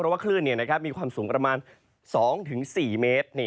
เพราะว่าคลื่นมีความสูงประมาณ๒๔เมตร